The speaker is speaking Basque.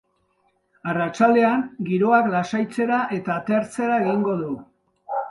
Arratsaldean, giroak lasaitzera eta atertzera egingo du.